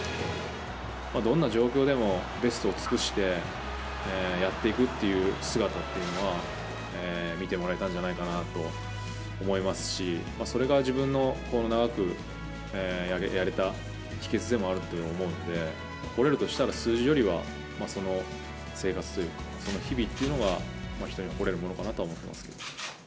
どんな状況でも、ベストを尽くしてやっていくという姿っていうのは、見てもらえたんじゃないかなと思いますし、それが自分の長くやれた秘けつでもあると思うので、誇れるとしたら数字よりは、その生活というか、その日々というのが人に誇れるものかなとは思っています。